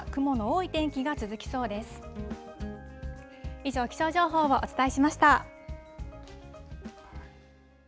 以上気象情報をお伝えしました。